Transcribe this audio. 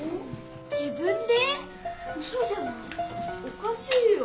おかしいよ！